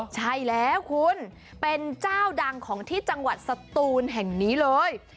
ใช่แล้วคุณเป็นเจ้าดังของที่จังหวัดสตูนแห่งนี้เลย